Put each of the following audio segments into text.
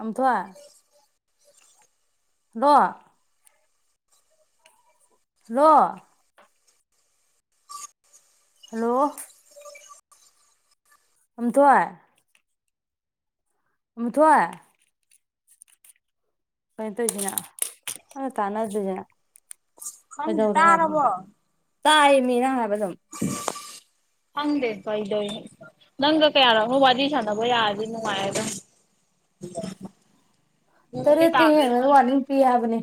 ꯑꯝꯊꯣꯏ hello hello hello ꯑꯝꯊꯣꯏ ꯑꯃꯨꯊꯣꯏ ꯀꯩ ꯇꯧꯁꯤꯅ ꯑꯝꯇꯥꯟꯅꯗꯔ꯭ꯤꯁꯤꯅ ꯈꯪꯗꯦ ꯀꯩꯗꯧꯔꯦ ꯍꯥꯏꯕꯅ ꯇꯥꯔꯕꯣ ꯇꯥꯏꯌꯦꯃꯤ ꯅꯪꯅ ꯍꯥꯏꯕ ꯑꯗꯨꯝ ꯍꯪꯗꯦ ꯀꯩꯗꯣꯏꯅꯣ ꯅꯪꯒ ꯀꯌꯥꯔꯥꯛꯅꯣ ꯋꯥꯔꯤ ꯁꯥꯟꯅꯕ ꯌꯥꯔꯗꯤ ꯅꯨꯡꯉꯥꯏꯔꯗꯝ ꯎ [unintelligible] ꯇꯔꯠꯇ ꯍꯦꯜꯂ ꯋꯥꯔꯅꯤꯡꯄꯤ ꯍꯥꯏꯕꯅꯦ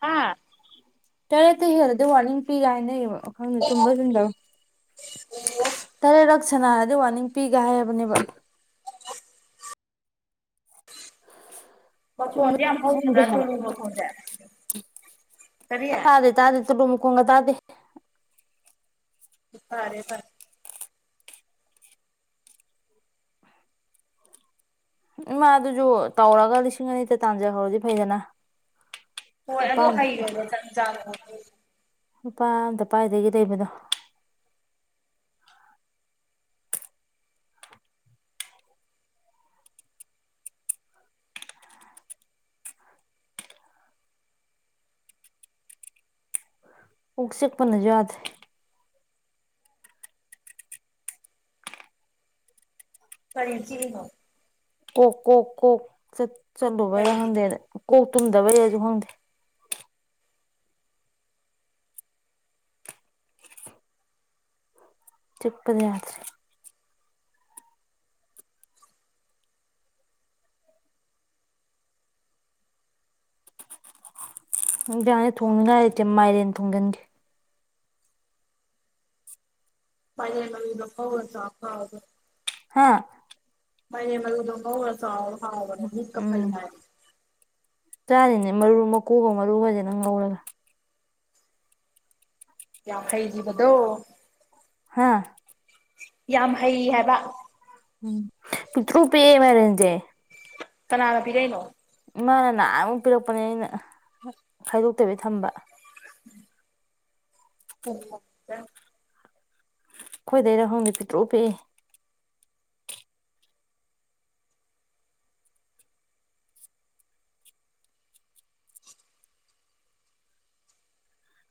ꯍꯥꯥ ꯇꯥꯔꯦꯠ ꯇꯩ ꯍꯦꯜꯂꯗꯤ ꯋꯥꯔꯅꯤꯡ ꯄꯤ ꯍꯥꯏꯅꯩꯕ ꯈꯪꯗꯦ ꯆꯨꯝꯕ ꯆꯨꯝꯗꯕ ꯇꯔꯦꯠꯔꯛ ꯁꯅꯥꯔꯗꯤ ꯋꯥꯅꯤꯡ ꯄꯤꯒꯦ ꯍꯥꯏꯕꯅꯦꯕ ꯆꯨꯝꯃꯦ ꯃꯈꯣꯟꯁꯦ ꯌꯥꯝ ꯈꯪꯗꯦ ꯍꯧꯒꯗ꯭ꯔꯥ ꯍꯥꯏꯕ ꯇꯨꯂꯨ ꯃꯈꯣꯟꯁꯦ ꯀꯔꯤ ꯇꯥꯗꯦ ꯇꯥꯗꯦ [unintelligible] ꯀꯣꯡꯒ ꯇꯥꯗꯦ ꯐꯔꯦ ꯐꯔꯦ ꯏꯃꯥ ꯑꯗꯨꯁꯨ ꯇꯧꯔꯒ ꯂꯤꯁꯤꯡ ꯑꯅꯤꯗ ꯇꯥꯟꯖꯈꯧꯔꯗꯤ ꯐꯩꯗꯅ ꯍꯣꯏ ꯂꯨꯄꯥ ꯑꯗꯣ ꯑꯝꯇ ꯍꯩꯔꯣꯏꯅꯦ ꯖꯥꯡꯖꯥ ꯑꯣꯏꯕꯥ ꯅꯨꯄꯥ ꯑꯝꯇ ꯄꯥꯏꯗꯒꯤ ꯂꯩꯕꯅꯣ ꯑꯣꯛ ꯆꯤꯛꯄꯅꯁꯨ ꯌꯥꯗ꯭ꯔꯦ ꯀꯔꯤ ꯆꯤꯛꯏꯅꯣ ꯀꯣꯛ ꯀꯣꯛ ꯀꯣꯛ ꯆꯠ ꯀꯔꯤ ꯆꯠꯂꯨꯕꯩꯔ ꯈꯪꯗꯦꯗ ꯀꯣꯛ ꯇꯨꯝꯗꯕꯩꯔꯁꯨ ꯈꯪꯗꯦ ꯆꯤꯛꯄꯅ ꯌꯥꯗꯔꯦ ꯅꯨꯡꯗꯥꯡꯗꯤ ꯊꯣꯡꯅꯤꯉꯥꯏ ꯂꯩꯇꯦ ꯃꯥꯏꯔꯦꯟ ꯊꯣꯡꯒꯟꯒꯦ ꯃꯥꯏꯔꯦꯟ ꯃꯔꯨꯗꯣ ꯉꯧꯔ ꯆꯥꯎ ꯉꯥꯎꯕꯅꯤ ꯍꯥꯥ ꯃꯥꯏꯔꯦꯟ ꯃꯔꯨꯗꯣ ꯉꯧꯔꯆꯥꯎ ꯎꯝ ꯆꯥꯔꯤꯅꯦ ꯃꯔꯨ ꯃꯀꯨꯒ ꯃꯔꯨꯒꯗꯤ ꯅꯪ ꯉꯧꯔꯒ ꯌꯥꯝ ꯍꯩꯈꯤꯕꯗꯣ ꯍꯥꯥ ꯌꯥꯝ ꯍꯩ ꯍꯥꯏꯕ ꯄꯤꯇ꯭ꯔꯨ ꯄꯤꯛꯑꯦ ꯃꯥꯏꯔꯦꯟꯖꯦ ꯀꯅꯥꯅ ꯄꯤꯔꯩꯅꯣ ꯏꯃꯥꯅ ꯅꯥꯟꯃꯨꯛ ꯄꯤꯔꯛꯄꯅꯦ ꯑꯩꯅ ꯈꯥꯏꯗꯣꯛꯇꯕꯤ ꯊꯝꯕ [unintelligible] ꯑꯩꯈꯣꯏꯗꯩꯔ ꯈꯪꯗꯦ ꯄꯤꯛꯇ꯭ꯔꯨ ꯄꯤꯛꯑꯦ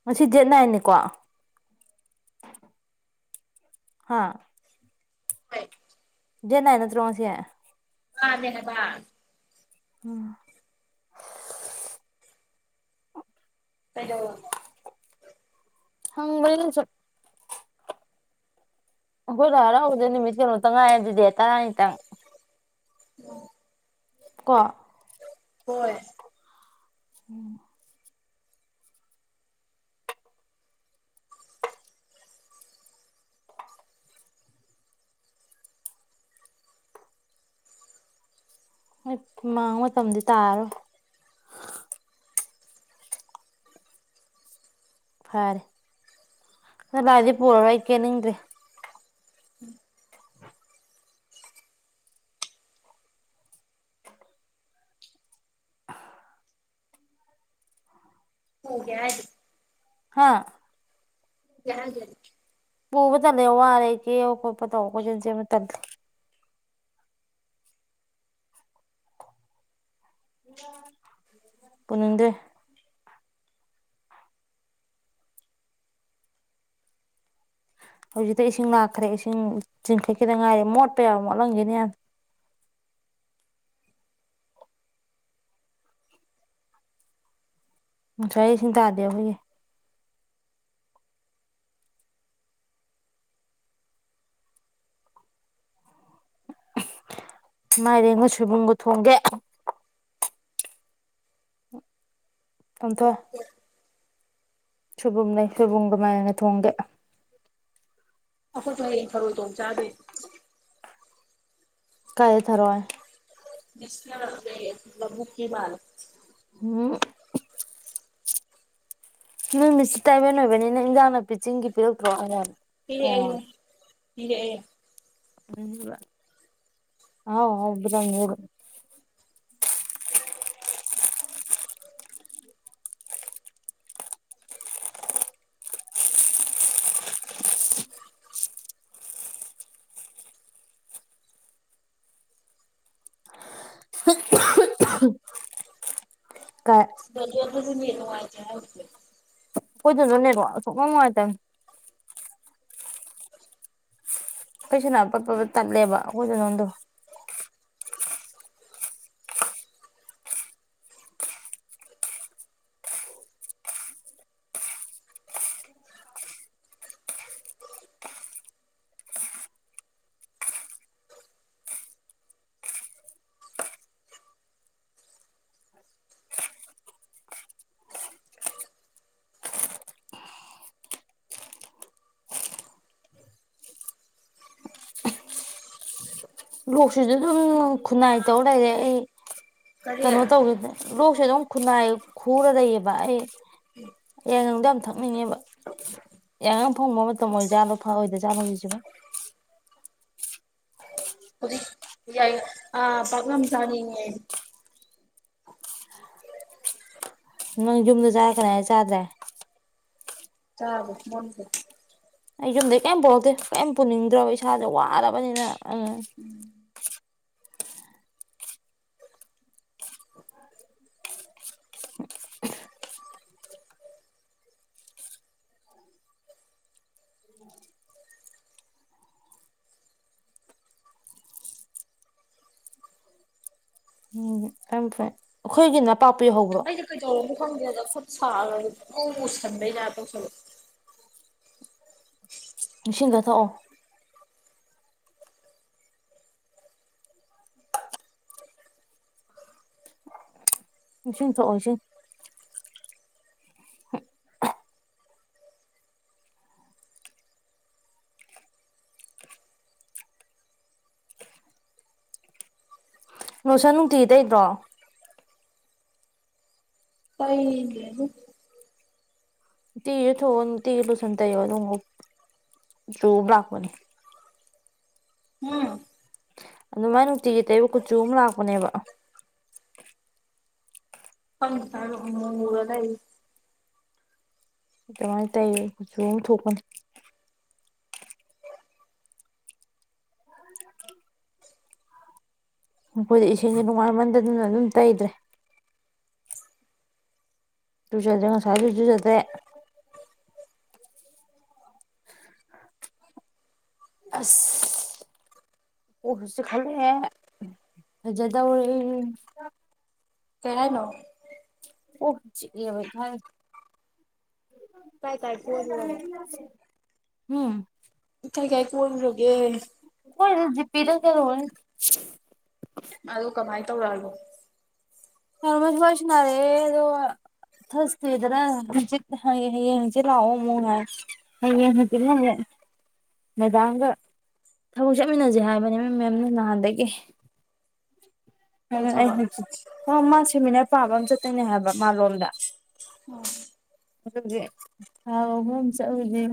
ꯉꯁꯤ ꯗꯦꯠ ꯅꯥꯏꯟꯅꯦꯀꯣ ꯍꯥꯥ ꯍꯣꯏ ꯗꯦꯠ ꯅꯥꯏꯟ ꯅꯠꯇ꯭ꯔꯣ ꯉꯁꯦ ꯃꯥꯅꯦ ꯍꯥꯏꯕ ꯎꯝ ꯀꯩꯗꯧꯔꯒꯦ ꯍꯪꯕꯅꯦꯗ ꯁꯨꯝ ꯑꯩꯈꯣꯏ ꯂꯥꯏ ꯍꯔꯥꯎꯕꯗꯣ ꯅꯨꯃꯤꯠ ꯀꯩꯅꯣꯇ ꯉꯥꯏꯔ ꯗꯨꯗꯤ ꯇꯔꯥꯅꯤꯇꯪ [unintelligible] ꯀꯣ ꯍꯣꯋꯦ [unintelligible] ꯑꯩ ꯃꯥꯡꯕ ꯃꯇꯝꯗꯤ ꯇꯥꯔꯔꯣꯏ ꯐꯔꯦ ꯅꯥꯞꯂꯥꯏꯗꯤ ꯄꯨꯔꯔꯣꯏ ꯑꯩ ꯀꯦꯅꯤꯡꯗ꯭ꯔꯦ ꯄꯨꯒꯦ ꯍꯥꯏꯗꯦ ꯍꯥꯥ ꯀꯦ ꯍꯥꯏꯗꯦ ꯄꯨꯕ ꯇꯟꯂꯦ ꯋꯥꯔꯦ ꯀꯦꯕ ꯈꯣꯠꯄ ꯇꯧꯕ ꯀꯣꯏꯆꯦꯟ ꯆꯦꯟꯕ ꯇꯟꯂꯦ ꯄꯨꯅꯤꯡꯗꯦ ꯍꯧꯖꯤꯛꯇ ꯏꯁꯤꯡ ꯂꯥꯛꯈ꯭ꯔꯦ ꯏꯁꯤꯡ ꯆꯤꯡꯈꯠꯈꯤꯗ ꯉꯥꯏꯔꯤ ꯃꯣꯠꯄ ꯌꯥꯕ ꯃꯣꯠꯂꯝꯒꯤꯅꯤ ꯉꯁꯥꯏ ꯏꯁꯤꯡ ꯇꯥꯗꯦ ꯑꯩꯈꯣꯏꯒꯤ ꯃꯥꯏꯔꯦꯟꯒ ꯁꯣꯏꯕꯨꯝꯒ ꯊꯣꯡꯒꯦ ꯇꯣꯟꯊꯣꯏ ꯁꯣꯏꯕꯨꯝ ꯂꯩ ꯁꯣꯏꯕꯨꯝꯒ ꯃꯥꯏꯔꯦꯟꯒ ꯊꯣꯡꯒꯦ ꯑꯩꯈꯣꯏꯁꯨ ꯍꯌꯦꯡ ꯊꯔꯣꯏ ꯊꯣꯡꯕ ꯆꯥꯗꯣꯏꯅꯦ ꯀꯥꯏꯗꯩ ꯊꯔꯣꯏ [unintelligible] ꯂꯕꯨꯛꯀꯤ ꯃꯥꯜꯂꯦ ꯎꯝ ꯅꯪ ꯃꯤꯁ ꯇꯥꯏꯕꯦꯟ ꯑꯣꯏꯕꯅꯤꯅ ꯏꯟꯖꯥꯡ ꯅꯥꯄꯤ ꯆꯤꯡꯒꯤ ꯄꯤꯔꯛꯇ꯭ꯔꯣ ꯄꯤꯔꯛꯑꯦ ꯄꯤꯔꯛꯑꯦ ꯑꯍꯥꯎ ꯑꯍꯥꯎ [unintelligible] ꯀꯥꯏ [unintelligible] ꯅꯦꯠ ꯅꯨꯡꯉꯥꯏꯇꯦ ‌ꯍꯥꯏꯗꯨꯗꯤ ꯈꯣꯏꯗꯁꯨ ꯅꯦꯠꯋꯥꯛ ꯁꯨꯛꯅꯨꯡ ꯅꯨꯡꯉꯥꯏꯇꯃꯦ ꯑꯩꯈꯣꯏꯁꯨ ꯅꯍꯥꯟ ꯄꯠ ꯄꯠ ꯄꯠ ꯇꯠꯂꯦꯕ ꯑꯩꯈꯣꯏ ꯁꯣꯅꯣꯟꯗꯣ ꯂꯣꯛꯁꯤꯖꯨ ꯑꯗꯨꯝ ꯈꯨꯟꯅꯥꯏ ꯇꯧ ꯂꯩꯔꯦ ꯑꯩ ꯀꯔꯤ ꯀꯩꯅꯣ ꯇꯧꯒꯤꯗ ꯂꯣꯛꯁꯦ ꯑꯗꯨꯝ ꯈꯨꯟꯅꯥꯏ ꯈꯨꯔ ꯂꯩꯑꯕ ꯑꯩ ꯌꯥꯏꯉꯪꯗꯣ ꯌꯥꯝ ꯊꯛꯅꯤꯡꯉꯦꯕ ꯌꯥꯏꯉꯪ ꯐꯪꯕ ꯃꯇꯝ ꯑꯣꯏꯖꯥꯠꯂꯣ ꯐꯑꯣꯏꯗ ꯖꯥꯠꯂꯣ ꯍꯧꯖꯤꯛꯁꯤꯕꯣ ꯍꯨꯖꯤꯛ [unintelligible] ꯌꯥꯏ ꯑꯥ ꯄꯥꯛꯅꯝ ꯆꯥꯅꯤꯡꯉꯦ ꯅꯪ ꯌꯨꯝꯗ ꯆꯥꯇꯔꯦ ꯍꯥꯏꯔ ꯆꯥꯗ꯭ꯔꯦ ꯆꯥꯗꯦ [unintelligible] ꯑꯩ ꯌꯨꯝꯗꯩ ꯀꯩꯝ ꯄꯨꯔꯛꯇꯦ ꯀꯩꯝ ꯄꯨꯅꯤꯡꯗ꯭ꯔꯕ ꯏꯁꯥꯖꯦ ꯋꯥꯔꯕꯅꯤꯅ ꯑꯪ ꯈꯪꯇ꯭ꯔꯦ ꯑꯩꯈꯣꯏꯒꯤ ꯅꯄꯥꯄꯤ ꯍꯧꯕ꯭ꯔꯣ ꯀꯩꯗꯧꯔꯝꯅꯣ ꯈꯪꯗ꯭ꯔꯦꯗ ꯈꯨꯠ ꯁꯥꯒꯖꯦ ꯄꯨꯡꯃꯨ ꯃꯨꯁꯟꯕꯩ ꯇꯥꯏꯞ ꯇꯧꯁꯜꯂꯦ ꯏꯡꯁꯤꯡꯗꯣ ꯊꯛꯑꯣ [unintelligible] ꯏꯁꯤꯡ ꯊꯣꯛꯑꯣ ꯏꯁꯤꯡ ꯂꯣꯁꯟ ꯅꯨꯡꯇꯤꯒꯤ ꯇꯩꯗ꯭ꯔꯣ ꯇꯩꯔꯤꯅꯦꯕꯨ ꯅꯨꯡꯇꯤꯒꯤ ꯏꯔꯨꯊꯣꯛꯑꯣ ꯅꯨꯡꯇꯤꯒꯤ ꯂꯣꯁꯟ ꯇꯩꯌꯣ ꯑꯗꯨꯝ ꯉꯧ ꯆꯨ ꯑꯝ ꯂꯥꯛꯄꯅꯤ ꯍꯨꯝ ꯑꯗꯨꯃꯥꯥꯏꯅ ꯅꯨꯡꯇꯤꯒꯤ ꯇꯪꯌꯨ ꯀꯨꯆꯨ ꯑꯝ ꯂꯥꯛꯄꯅꯦꯕ [unintelligible] ꯑꯗꯨꯃꯥꯏ ꯇꯩꯌꯣ ꯀꯨꯆꯨ ꯑꯃ ꯊꯣꯛꯄꯅꯤ ꯑꯩꯈꯣꯏꯗꯤ ꯏꯁꯤꯡꯁꯦ ꯅꯨꯡꯉꯥꯏꯃꯟꯗꯗꯅ ꯑꯗꯨꯝ ꯇꯩꯗ꯭ꯔꯦ ꯂꯨꯖꯗ꯭ꯔꯦ ꯉꯁꯥꯖꯨ ꯂꯨꯖꯨ ꯂꯨꯖꯗꯦ ꯑꯁ ꯀꯣꯛꯁꯨ ꯆꯤꯛꯈꯜꯂꯛꯑꯦ ꯐꯖꯗꯧꯔꯤ ꯀꯩ ꯍꯥꯏꯅꯣ ꯀꯣꯛꯄꯨ ꯆꯤꯛꯑꯦꯕ [unintelligible] ꯀꯥꯏ ꯀꯥꯏ ꯀꯣꯏꯔꯨꯔꯒꯦ [unintelligible] ꯍꯨꯝ ꯀꯥꯏ ꯀꯥꯏ ꯀꯣꯏꯔꯨꯔꯒꯦ ꯑꯩꯈꯣꯏꯗ ꯖꯤꯄꯦꯗꯧ ꯇꯧꯔꯣꯏꯅꯦ ꯃꯥꯗꯨ ꯀꯃꯥꯏ ꯇꯧꯔꯛꯑꯒꯦ [unintelligible] ꯋꯥꯔꯤ ꯁꯥꯟꯅꯔꯛꯑꯦ ꯑꯗꯣ ꯊ꯭ꯁꯗꯦꯗ꯭ꯔꯥ ꯍꯥꯡꯆꯤꯠ ꯍꯥꯏꯌꯦ ꯍꯌꯦꯡ ꯍꯥꯡꯆꯤꯠ ꯂꯥꯛꯑꯣ ꯑꯃꯨꯛ ꯍꯥꯏ ꯍꯌꯦꯡ ꯍꯥꯡꯆꯤꯠꯅꯅꯦ ꯃꯦꯗꯥꯝꯒ ꯊꯕꯛ ꯆꯠꯃꯤꯟꯅꯖꯦ ꯍꯥꯏꯕꯅꯦꯕ ꯃꯦꯝꯅ ꯅꯍꯥꯟꯗꯒꯤ ꯀꯩ ꯑꯩꯅ ꯑꯩ ꯊꯕꯛ ꯍꯥꯡꯆꯤꯠ ꯍꯣ ꯃꯥ ꯁꯦꯃꯤꯅꯔ ꯄꯥꯕ ꯑꯃ ꯆꯠꯇꯣꯏꯅꯦ ꯍꯥꯏꯕ ꯃꯥꯂꯣꯝꯗ ꯎꯝ ꯑꯗꯨꯕꯨꯗꯤ ꯊꯥ ꯑꯍꯨꯝ ꯆꯠꯂꯨꯗꯤ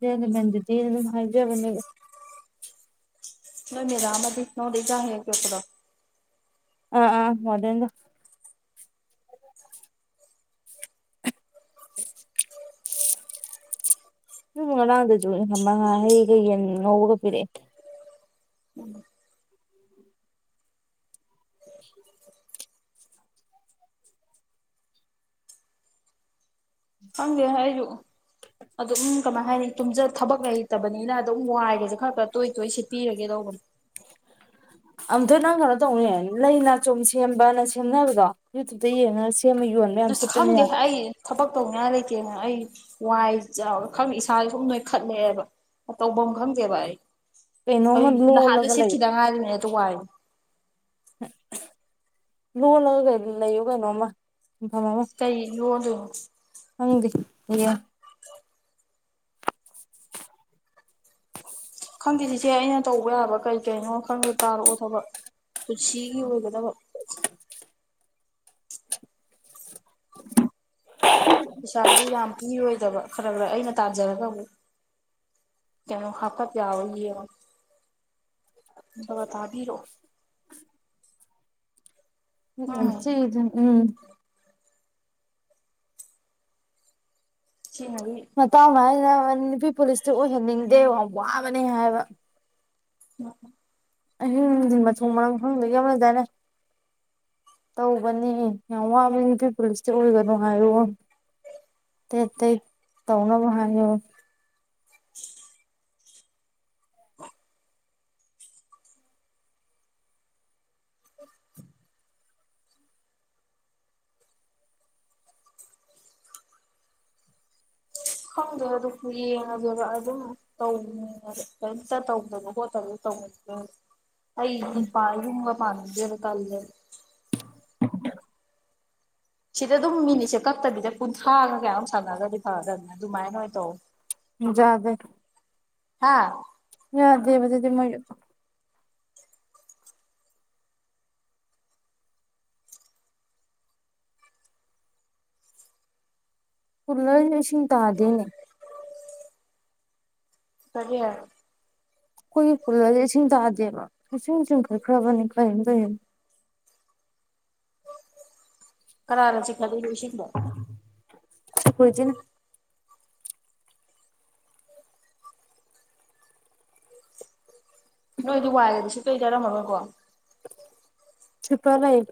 [unintelligible] ꯑꯗꯨꯝ ꯍꯥꯏꯖꯕꯅꯦꯕ ꯅꯣꯏ ꯃꯦꯗꯥꯝꯑꯗꯤ ꯅꯉꯣꯟꯗ ꯏꯆꯥ ꯍꯦꯛ ꯍꯦꯛ ꯄꯤꯔꯛꯄꯗꯣ ꯑꯥ ꯑꯥ ꯋꯥꯔꯗꯦꯟꯗꯣ [inaudible] ꯑꯗꯨ ꯉꯔꯥꯡꯗꯁꯨ ꯃꯥ ꯉꯥꯍꯩꯒ ꯌꯦꯟ ꯉꯧꯔꯒ ꯄꯤꯔꯛꯑꯦ ꯎꯝ ꯈꯪꯗꯦ ꯑꯩꯖꯨ ꯑꯗꯨꯝ ꯀꯃꯥꯏ ꯍꯥꯏꯅꯤ ꯇꯨꯝꯖ ꯊꯕꯛ ꯂꯩꯇꯕꯅꯤꯅ ꯑꯗꯨꯝ ꯋꯥꯏꯒꯁꯦ ꯈꯔ ꯈꯔ ꯇꯣꯏ ꯇꯣꯏ ꯁꯤꯠꯄꯤꯔꯒꯦ ꯇꯧꯕꯅꯦ ꯑꯝꯇ ꯅꯪ ꯀꯩꯅꯣ ꯇꯧꯅꯦ ꯂꯩ ꯅꯥꯆꯨꯝ ꯁꯦꯝꯕꯅ ꯁꯦꯝꯅꯕꯗꯣ ꯌꯨꯇ꯭ꯌꯨꯕꯇ ꯌꯦꯡꯉꯒ ꯁꯦꯝꯃ ꯌꯣꯟ ꯑꯁ ꯈꯪꯗꯦ ꯑꯩ ꯊꯕꯛ ꯇꯧꯅꯤꯉꯥꯏ ꯂꯩꯇꯦꯅ ꯑꯩ ꯋꯥꯏ ꯆꯥꯎꯔ ꯈꯪ ꯏꯁꯥꯖꯦ ꯁꯨꯝ ꯅꯣꯏꯈꯠꯂꯛꯑꯦꯕ ꯇꯧꯕꯝ ꯈꯪꯗꯦꯕ ꯑꯩ ꯍꯧꯏ ꯀꯩꯅꯣꯝꯃ ꯅꯍꯥꯟꯗ ꯂꯣꯜꯂꯒ ꯂꯩ ꯁꯤꯠꯈꯤꯗ ꯉꯥꯏꯔꯤꯅꯤ ꯇꯣ ꯋꯥꯏ ꯂꯣꯜꯂꯒ ꯂꯩꯌꯨ ꯀꯩꯅꯝꯃ ꯑꯐꯕ ꯑꯃ ꯀꯩ ꯂꯣꯟꯗꯣꯏꯅꯣ ꯈꯪꯗꯦ ꯍꯌꯦꯡ ꯑꯗꯨ ꯈꯪꯗꯦ ꯆꯤꯆꯦ ꯑꯩꯅ ꯇꯧꯕ ꯌꯥꯕ ꯀꯩ ꯀꯩꯅꯣ ꯈꯪꯗꯦ ꯇꯥꯔꯛꯑꯣ ꯊꯕꯛ ꯄꯨꯟꯁꯤꯒꯤ ꯑꯣꯏꯒꯗꯕ ꯄꯩꯁꯥꯁꯨ ꯌꯥꯝ ꯄꯤꯔꯣꯏꯗꯕ ꯈꯔ ꯈꯔ ꯑꯩꯅ ꯇꯥꯖꯔꯒꯕ ꯑꯃꯨꯛ ꯀꯩꯅꯣ ꯍꯥꯞꯀꯠ ꯌꯥꯕ꯭ꯔꯥ ꯌꯦꯡꯉꯒꯦ ꯈꯥꯒꯠ ꯊꯥꯕꯤꯔꯛꯑꯣ ꯎꯝ ꯌꯥꯝ ꯆꯤꯛꯏꯗ ꯎꯝ ꯁꯤꯉꯗꯤ ꯃꯇꯥꯡ ꯍꯥꯏꯅ ꯅꯨꯄꯤ ꯄꯨꯂꯤꯁꯇꯤ ꯑꯣꯏꯍꯟꯅꯤꯡꯗꯦ ꯌꯥꯝ ꯋꯥꯕꯅꯦ ꯍꯥꯏꯕ [inaudible] ꯑꯍꯤꯡ ꯅꯨꯡꯊꯤꯟ ꯃꯊꯣꯡ ꯃꯔꯥꯡ ꯈꯪꯗꯈꯩ ꯑꯃ ꯂꯩꯗꯥꯏꯅꯦ ꯇꯧꯕꯅꯤ ꯌꯥꯝ ꯋꯥꯕꯅꯤ ꯅꯨꯄꯤ ꯄꯨꯂꯤꯁꯇꯤ ꯑꯣꯏꯒꯅꯨ ꯍꯥꯏꯌꯣ ꯑꯇꯩ ꯑꯇꯩ ꯇꯧꯅꯕ ꯍꯥꯏꯌꯣ [inaudible] ꯈꯪꯗꯦ ꯑꯗꯨ ꯌꯦꯡꯉꯁꯦ ꯍꯥꯏꯕꯔꯥ ꯑꯗꯨꯝ ꯇꯧꯅꯨ ꯍꯥꯏꯕ ꯀꯩꯝꯇ ꯇꯧꯒꯅꯨ ꯍꫭꯠꯀꯅꯨ ꯇꯧꯒꯅꯨ ꯑꯩ ꯄ ꯌꯨꯝꯒꯥ ꯄꯥꯟꯅꯤꯡꯗꯦꯕ ꯇꯥꯜꯂꯦꯕ ꯁꯤꯗ ꯑꯗꯨꯝ ꯃꯤꯅꯤꯠꯁꯦ ꯀꯛꯇꯕꯤꯗ ꯀꯨꯟꯊ꯭ꯔꯥꯒ ꯀꯌꯥꯅꫭꯝ ꯁꯥꯟꯅꯒꯔꯗꯤ ꯐꯗꯥꯝꯅꯦ ꯑꯗꯨꯃꯥꯏꯅ ꯑꯣꯏꯅ ꯇꯧ ꯖꯥꯗꯦ ꯍꯥꯥ ꯌꯥꯗꯦꯕ ꯑꯗꯨꯗꯤ ꯃꯣꯏ ꯀꯨꯂꯔ ꯏꯁꯤꯡ ꯇꯥꯗꯦꯅꯦ ꯀꯔꯤ ꯈꯣꯏꯒꯤ ꯀꯨꯂꯔꯁꯦ ꯏꯁꯤꯡ ꯇꯥꯗꯦꯕ ꯏꯁꯤꯡ ꯆꯤꯡꯈꯠꯈ꯭ꯔꯥꯕꯅꯤ ꯀꯩꯝ ꯀꯩꯝ ꯀꯅꯥꯅ ꯆꯤꯡꯈꯠꯂꯤꯅꫭ ꯏꯁꯤꯡꯗꫭ ꯑꯈꫭꯏ ꯆꯦꯅ ꯅꯣꯏꯗꫭ ꯋꯥꯏꯒꯗꫭ ꯁꯤꯠꯄꯩ ꯇꯔꯥꯝꯃꯔꫭ ꯀꫭ ꯁ꯭ꯋꯤꯄꯔ ꯂꯩꯕ꯭ꯔꫭ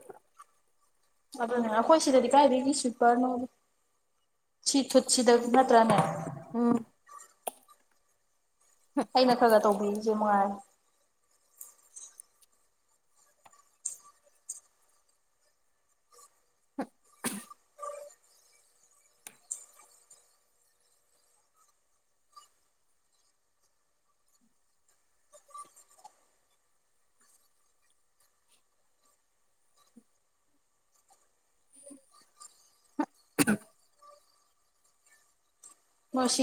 ꯑꯗꯨꯅꯦ ꯑꯈꯣꯏ ꯁꯤꯗꯗꯤ ꯀꯥꯏꯗꯒꯤ ꯁ꯭ꯋꯤꯄꯔꯅꫭꯗ ꯁꯤ ꯊꯨꯠ ꯁꯤꯗꯕꯨ ꯅꯠꯇ꯭ꯔꯥꯅꯦ ꯎꯝ꯫ ꯑꯩꯅ ꯈꯔ ꯈꯔ ꯇꯧꯕꯤꯔꯤꯁꯦ ꯃꯉꯥꯏꯔꯦ [inaudible] ꯃꫭꯏꯁꯤ